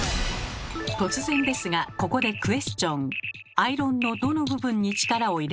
突然ですがここでクエスチョン。